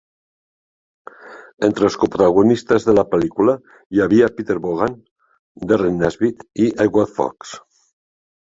Entre els coprotagonistes de la pel·lícula hi havia Peter Vaughan, Derren Nesbitt i Edward Fox.